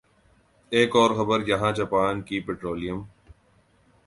ایک اور خبر یہاں جاپان کی پٹرولیم